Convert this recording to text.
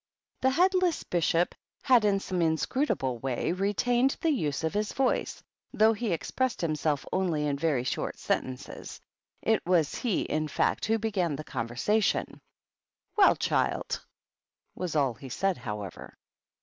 The headless Bishop had in some inscrutable way retained the use of his voice, though he ex pressed himself only in very short sentences. It was he, in fact, who began the conversation. "Well, child!" was all he said, however.